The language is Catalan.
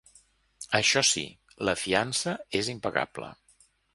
Això sí, la fiança és impagable.